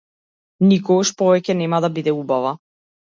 Никогаш повеќе нема да биде убава.